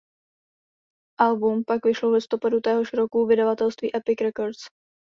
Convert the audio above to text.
Album pak vyšlo v listopadu téhož roku u vydavatelství Epic Records.